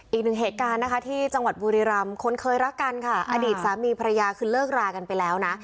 อีกหนึ่งเหตุการณ์นะคะที่จังหวัดบุรีรำคนเคยรักกันค่ะอดีตสามีภรรยาคือเลิกรากันไปแล้วนะ